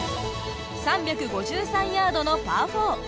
３５３ヤードのパー４。